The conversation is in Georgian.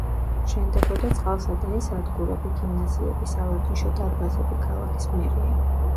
შენდებოდა წყალსადენი სადგურები, გიმნაზიები, სავარჯიშო დარბაზები, ქალაქის მერია.